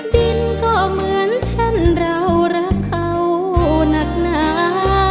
ดินก็เหมือนเช่นเรารักเขานักหนา